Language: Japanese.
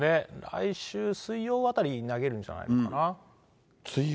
来週水曜あたりに投げるんじゃないかな。